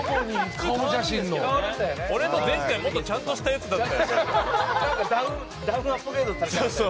俺も前回もっとちゃんとしたやつだったよ。